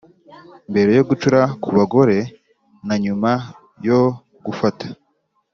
mbere yo gucura kubagore na nyuma yo gufata